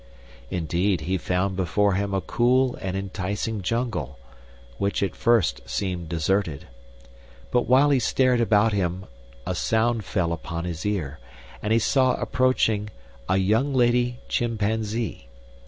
Indeed, he found before him a cool and enticing jungle, which at first seemed deserted. But while he stared about him a sound fell upon his ear, and he saw approaching a young lady Chimpanzee.